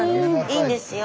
いいんですよ。